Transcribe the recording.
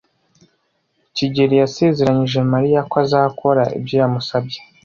kigeli yasezeranyije Mariya ko azakora ibyo yamusabye.